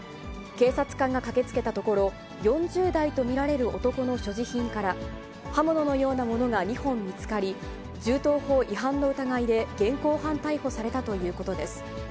警察官が駆けつけたところ、４０代と見られる男の所持品から、刃物のようなものが２本見つかり、銃刀法違反の疑いで現行犯逮捕されたということです。